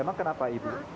emang kenapa ibu